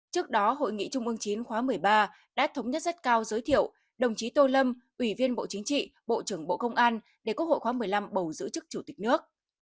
trước đó hội nghị trung ương chín khóa một mươi ba đã thống nhất rất cao giới thiệu đồng chí tô lâm ủy viên bộ chính trị bộ trưởng bộ công an để quốc hội khóa một mươi năm bầu giữ chức chủ tịch nước